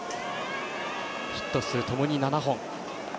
ヒット数、ともに７本。